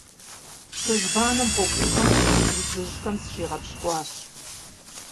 Цыжьбанэм гъуэгу Ӏуфэм къыщыкӀ удзыжьхэм зыщигъэпщкӀуащ.